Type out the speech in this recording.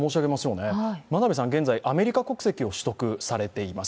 現在、アメリカ国籍を取得されています。